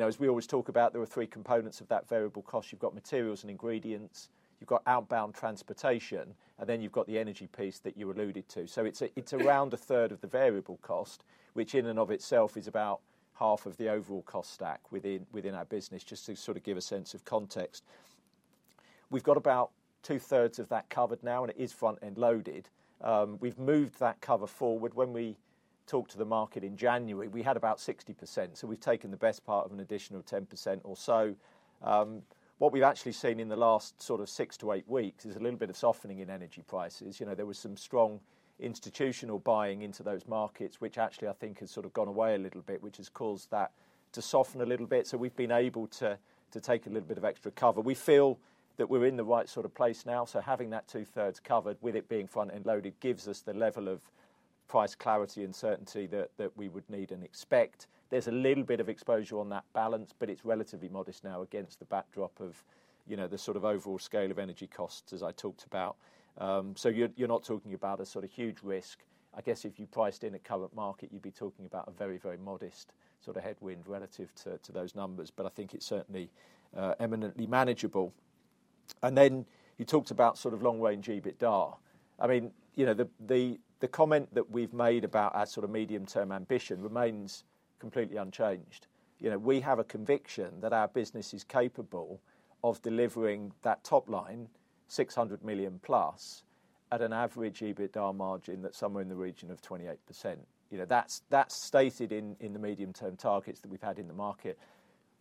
As we always talk about, there are three components of that variable cost. You've got materials and ingredients. You've got outbound transportation. Then you've got the energy piece that you alluded to. It's around a third of the variable cost, which in and of itself is about 1/2 of the overall cost stack within our business, just to sort of give a sense of context. We've got about 2/3 of that covered now, and it is front-end loaded. We've moved that cover forward. When we talked to the market in January, we had about 60%. We've taken the best part of an additional 10% or so. What we've actually seen in the last sort of six to eight weeks is a little bit of softening in energy prices. There was some strong institutional buying into those markets, which actually, I think, has sort of gone away a little bit, which has caused that to soften a little bit. We have been able to take a little bit of extra cover. We feel that we're in the right sort of place now. Having that 2/3 covered, with it being front-end loaded, gives us the level of price clarity and certainty that we would need and expect. There is a little bit of exposure on that balance, but it is relatively modest now against the backdrop of the sort of overall scale of energy costs, as I talked about. You are not talking about a sort of huge risk. I guess if you priced in a current market, you'd be talking about a very, very modest sort of headwind relative to those numbers. I think it's certainly eminently manageable. You talked about sort of long-range EBITDA. I mean, the comment that we've made about our sort of medium-term ambition remains completely unchanged. We have a conviction that our business is capable of delivering that top line, 600 million plus, at an average EBITDA margin that's somewhere in the region of 28%. That's stated in the medium-term targets that we've had in the market.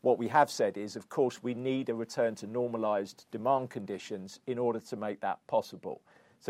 What we have said is, of course, we need a return to normalised demand conditions in order to make that possible.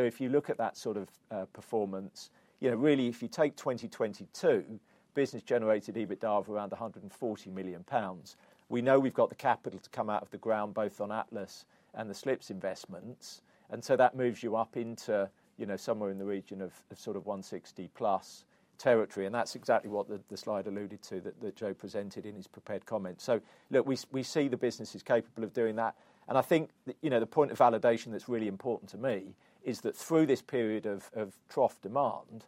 If you look at that sort of performance, really, if you take 2022, business-generated EBITDA of around 140 million pounds, we know we've got the capital to come out of the ground both on Atlas and the slips investments. That moves you up into somewhere in the region of sort of 160 million-plus territory. That's exactly what the slide alluded to that Joe presented in his prepared comment. Look, we see the business is capable of doing that. I think the point of validation that's really important to me is that through this period of trough demand,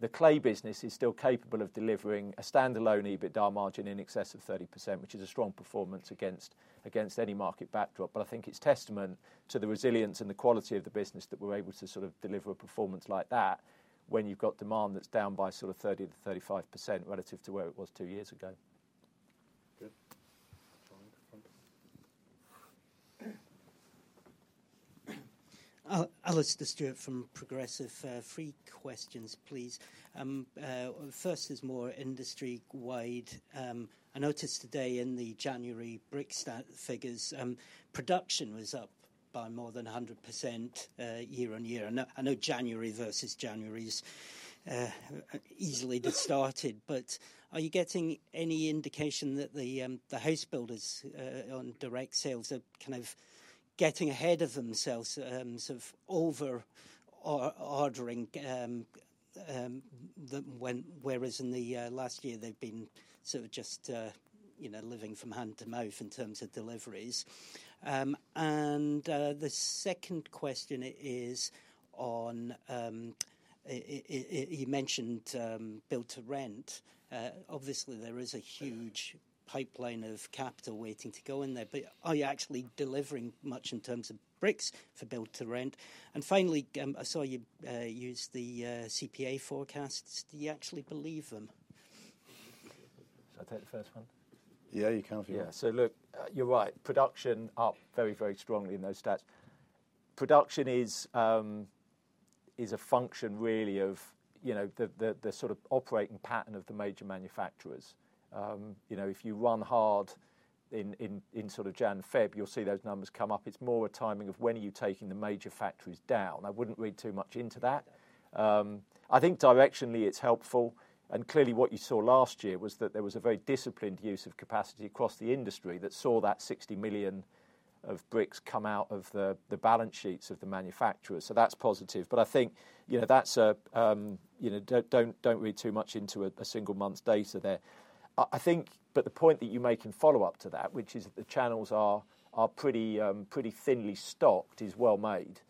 the clay business is still capable of delivering a standalone EBITDA margin in excess of 30%, which is a strong performance against any market backdrop. I think it's testament to the resilience and the quality of the business that we're able to sort of deliver a performance like that when you've got demand that's down by sort of 30%-35% relative to where it was two years ago. Alastair Stewart from Progressive. Three questions, please. First is more industry-wide. I noticed today in the January brick stat figures, production was up by more than 100% year-on-year. I know January versus January is easily distorted. Are you getting any indication that the house builders on direct sales are kind of getting ahead of themselves, sort of over-ordering whereas in the last year they've been sort of just living from hand to mouth in terms of deliveries? The second question is on you mentioned build-to-rent. Obviously, there is a huge pipeline of capital waiting to go in there. Are you actually delivering much in terms of bricks for build-to-rent? Finally, I saw you use the CPA forecasts. Do you actually believe them? Shall I take the first one? Yeah, you can. Yeah. You're right. Production up very, very strongly in those stats. Production is a function, really, of the sort of operating pattern of the major manufacturers. If you run hard in sort of January-February, you'll see those numbers come up. It's more a timing of when are you taking the major factories down. I wouldn't read too much into that. I think directionally, it's helpful. Clearly, what you saw last year was that there was a very disciplined use of capacity across the industry that saw that 60 million of bricks come out of the balance sheets of the manufacturers. That's positive. I think that's a don't read too much into a single month's data there. I think the point that you make in follow-up to that, which is that the channels are pretty thinly stocked, is well made.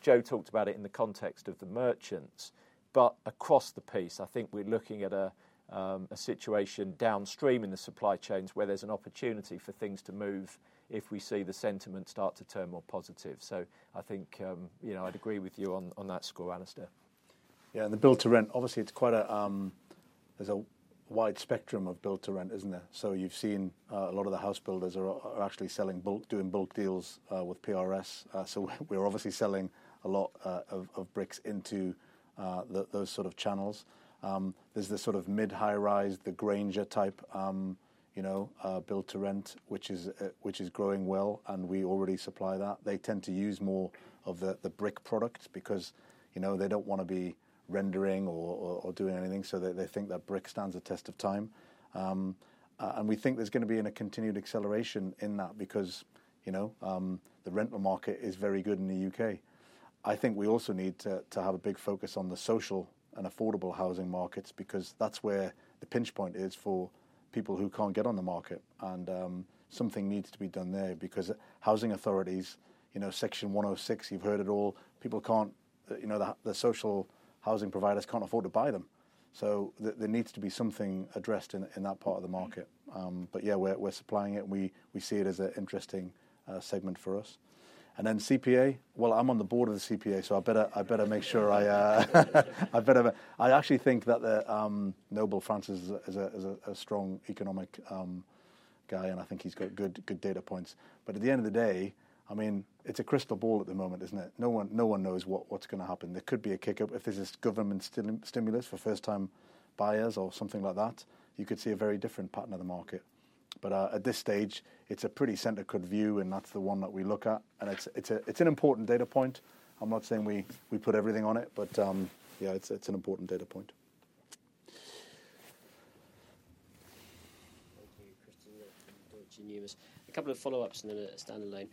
Joe talked about it in the context of the merchants. Across the piece, I think we're looking at a situation downstream in the supply chains where there's an opportunity for things to move if we see the sentiment start to turn more positive. I think I'd agree with you on that score, Alastair. Yeah, and the build-to-rent, obviously, it's quite a there's a wide spectrum of build-to-rent, isn't there? You've seen a lot of the house builders are actually selling, doing bulk deals with PRS. We're obviously selling a lot of bricks into those sort of channels. There's the sort of mid-high-rise, the Grainger type build-to-rent, which is growing well, and we already supply that. They tend to use more of the brick product because they do not want to be rendering or doing anything. They think that brick stands the test of time. We think there is going to be a continued acceleration in that because the rental market is very good in the U.K.. I think we also need to have a big focus on the social and affordable housing markets because that is where the pinch point is for people who cannot get on the market. Something needs to be done there because housing authorities, Section 106, you have heard it all. People cannot, the social housing providers cannot afford to buy them. There needs to be something addressed in that part of the market. Yeah, we are supplying it. We see it as an interesting segment for us. CPA, I am on the board of the CPA, so I better make sure I actually think that Noble Francis is a strong economic guy, and I think he has good data points. At the end of the day, I mean, it is a crystal ball at the moment, is it not? No one knows what is going to happen. There could be a kick-up if there is this government stimulus for first-time buyers or something like that. You could see a very different pattern of the market. At this stage, it is a pretty center-cut view, and that is the one that we look at. It is an important data point. I am not saying we put everything on it, but yeah, it is an important data point. Thank you, Christen Hjorth of Numis. A couple of follow-ups and then a standalone.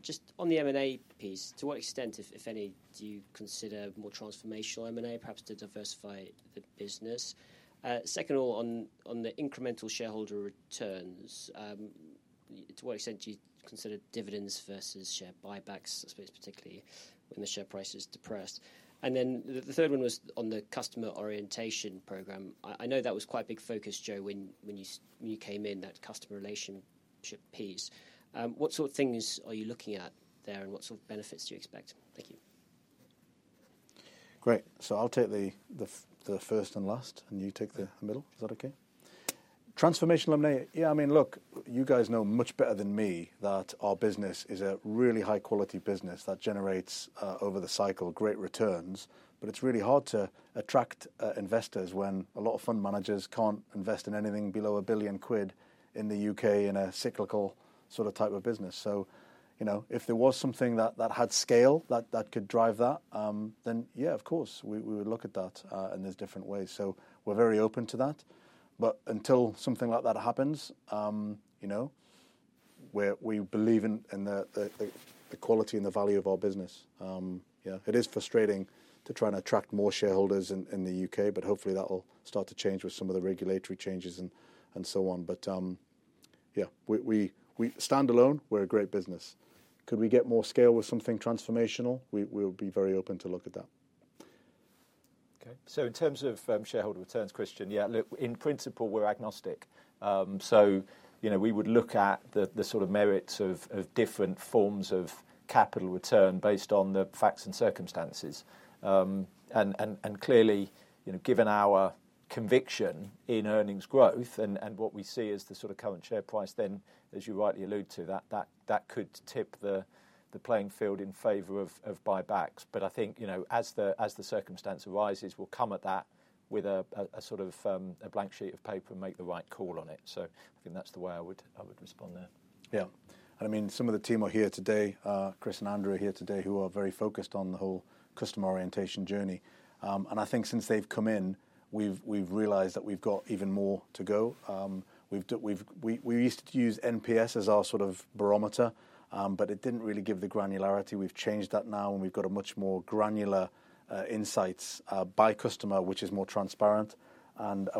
Just on the M&A piece, to what extent, if any, do you consider more transformational M&A, perhaps to diversify the business? Second, on the incremental shareholder returns, to what extent do you consider dividends versus share buybacks, I suppose, particularly when the share price is depressed? The third one was on the customer orientation program. I know that was quite a big focus, Joe, when you came in, that customer relationship piece. What sort of things are you looking at there and what sort of benefits do you expect? Thank you. Great. I will take the first and last, and you take the middle. Is that okay? Transformational M&A. Yeah, I mean, look, you guys know much better than me that our business is a really high-quality business that generates over the cycle great returns. It's really hard to attract investors when a lot of fund managers can't invest in anything below 1 billion quid in the U.K. in a cyclical sort of type of business. If there was something that had scale that could drive that, then yeah, of course, we would look at that in these different ways. We're very open to that. Until something like that happens, we believe in the quality and the value of our business. Yeah, it is frustrating to try and attract more shareholders in the U.K., but hopefully that will start to change with some of the regulatory changes and so on. Yeah, standalone, we're a great business. Could we get more scale with something transformational? We would be very open to look at that. Okay. In terms of shareholder returns, Christen, yeah, look, in principle, we're agnostic. We would look at the sort of merits of different forms of capital return based on the facts and circumstances. Clearly, given our conviction in earnings growth and what we see as the sort of current share price, then, as you rightly alluded to, that could tip the playing field in favor of buybacks. I think as the circumstance arises, we'll come at that with a sort of blank sheet of paper and make the right call on it. I think that's the way I would respond there. Yeah. I mean, some of the team are here today, Chris and Andrew are here today, who are very focused on the whole customer orientation journey. I think since they've come in, we've realized that we've got even more to go. We used to use NPS as our sort of barometer, but it did not really give the granularity. We have changed that now, and we have got much more granular insights by customer, which is more transparent.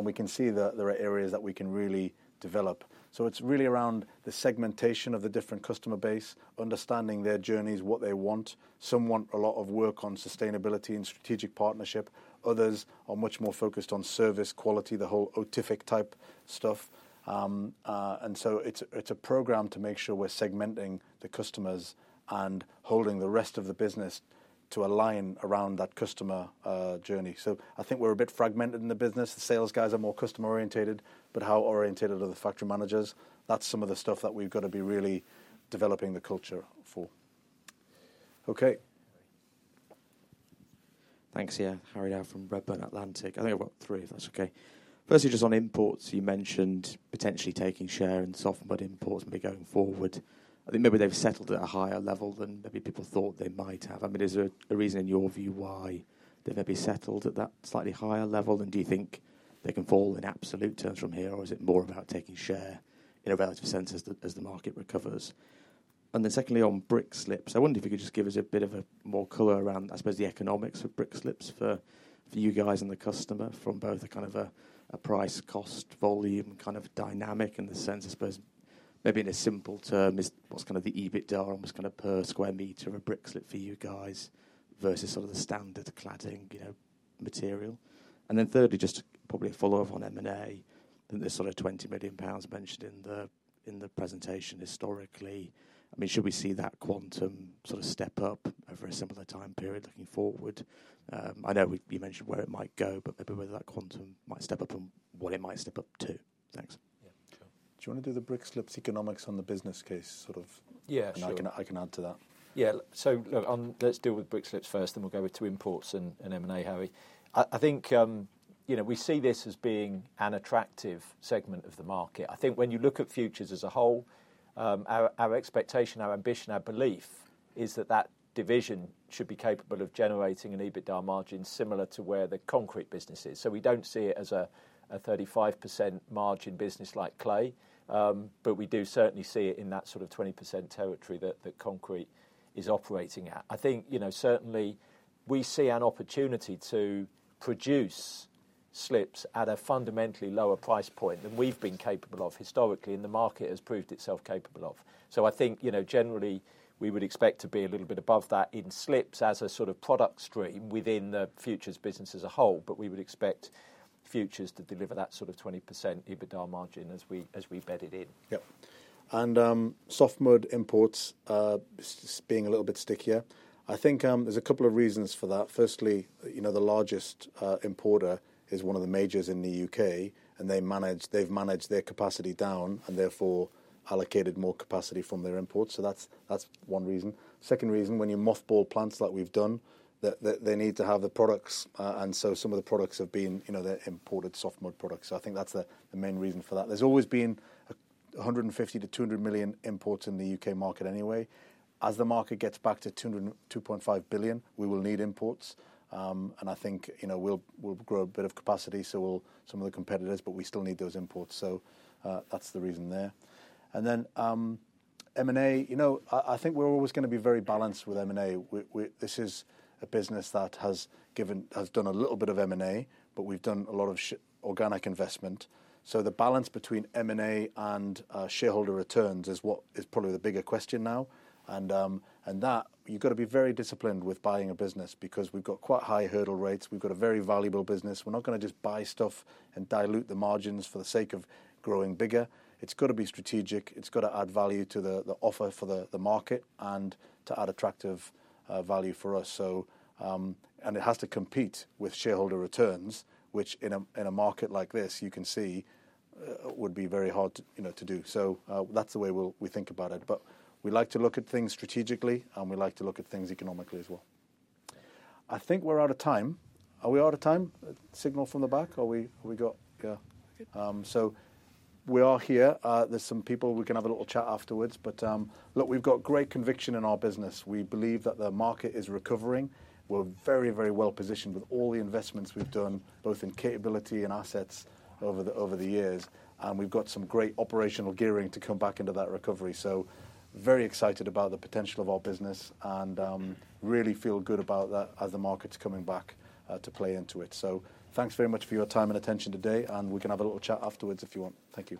We can see that there are areas that we can really develop. It is really around the segmentation of the different customer base, understanding their journeys, what they want. Some want a lot of work on sustainability and strategic partnership. Others are much more focused on service quality, the whole OTIFIC type stuff. It is a program to make sure we are segmenting the customers and holding the rest of the business to align around that customer journey. I think we are a bit fragmented in the business. The sales guys are more customer-orientated, but how orientated are the factory managers? That's some of the stuff that we've got to be really developing the culture for. Okay. Thanks. Yeah. Harry Dow from Redburn Atlantic. I think I've got three, if that's okay. Firstly, just on imports, you mentioned potentially taking share in soft but imports maybe going forward. I think maybe they've settled at a higher level than maybe people thought they might have. I mean, is there a reason in your view why they've maybe settled at that slightly higher level? And do you think they can fall in absolute terms from here, or is it more about taking share in a relative sense as the market recovers? Secondly, on brick slips, I wonder if you could just give us a bit more color around, I suppose, the economics of brick slips for you guys and the customer from both a kind of price-cost-volume kind of dynamic. In the sense, I suppose, maybe in simple terms, what is the EBITDA and what is kind of per square meter of a brick slip for you guys versus the standard cladding material? Thirdly, just probably a follow-up on M&A, the sort of 20 million pounds mentioned in the presentation historically. Should we see that quantum step up over a similar time period looking forward? I know you mentioned where it might go, but maybe whether that quantum might step up and what it might step up to. Thanks. Yeah. Do you want to do the brick slips economics on the business case sort of? Yeah. I can add to that. Yeah. Look, let's deal with brick slips first, then we'll go with two imports and M&A, Harry. I think we see this as being an attractive segment of the market. I think when you look at futures as a whole, our expectation, our ambition, our belief is that that division should be capable of generating an EBITDA margin similar to where the concrete business is. We do not see it as a 35% margin business like clay, but we do certainly see it in that sort of 20% territory that concrete is operating at. I think certainly we see an opportunity to produce slips at a fundamentally lower price point than we've been capable of historically, and the market has proved itself capable of. I think generally we would expect to be a little bit above that in slips as a sort of product stream within the futures business as a whole, but we would expect futures to deliver that sort of 20% EBITDA margin as we bed it in. Yeah. Softwood imports being a little bit stickier, I think there's a couple of reasons for that. Firstly, the largest importer is one of the majors in the U.K., and they've managed their capacity down and therefore allocated more capacity from their imports. That is one reason. Second reason, when you mothball plants like we've done, they need to have the products. Some of the products have been imported softwood products. I think that's the main reason for that. There's always been 150-200 million imports in the U.K. market anyway. As the market gets back to 2.5 billion, we will need imports. I think we'll grow a bit of capacity, some of the competitors, but we still need those imports. That is the reason there. M&A, I think we're always going to be very balanced with M&A. This is a business that has done a little bit of M&A, but we've done a lot of organic investment. The balance between M&A and shareholder returns is what is probably the bigger question now. You have to be very disciplined with buying a business because we've got quite high hurdle rates. We've got a very valuable business. We're not going to just buy stuff and dilute the margins for the sake of growing bigger. It has to be strategic. has got to add value to the offer for the market and to add attractive value for us. It has to compete with shareholder returns, which in a market like this, you can see, would be very hard to do. That is the way we think about it. We like to look at things strategically, and we like to look at things economically as well. I think we are out of time. Are we out of time? Signal from the back? Are we good? Yeah. We are here. There are some people. We can have a little chat afterwards. Look, we have got great conviction in our business. We believe that the market is recovering. We are very, very well positioned with all the investments we have done, both in capability and assets over the years. We have got some great operational gearing to come back into that recovery. Very excited about the potential of our business and really feel good about that as the market's coming back to play into it. Thanks very much for your time and attention today. We can have a little chat afterwards if you want. Thank you.